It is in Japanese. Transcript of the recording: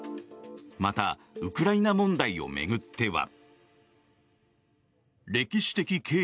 またウクライナ問題を巡っては。